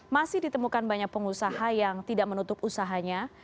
masih ditemukan banyak pengusaha yang tidak menutup usahanya